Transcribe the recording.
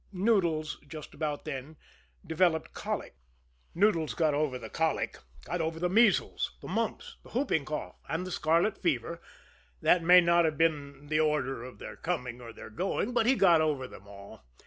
Noodles, just about then, developed colic. Noodles got over the colic, got over the measles, the mumps, the whooping cough, and the scarlet fever that may not have been the order of their coming or their going, but he got over them all.